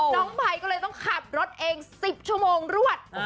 น้องใบก็เลยต้องขับรถเอง๑๐ชั่วโมงรวด